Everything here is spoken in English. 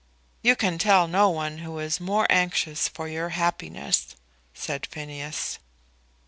"You can tell no one who is more anxious for your happiness," said Phineas.